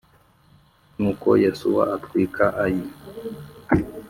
Nuko Yosuwa atwika Ayi